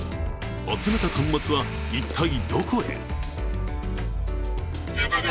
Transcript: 集めた端末は一体どこへ。